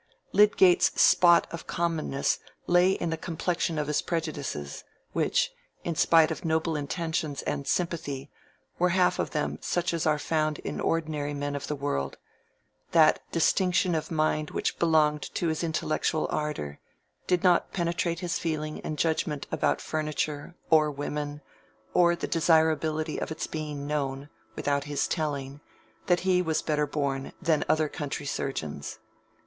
Lydgate's spots of commonness lay in the complexion of his prejudices, which, in spite of noble intention and sympathy, were half of them such as are found in ordinary men of the world: that distinction of mind which belonged to his intellectual ardor, did not penetrate his feeling and judgment about furniture, or women, or the desirability of its being known (without his telling) that he was better born than other country surgeons.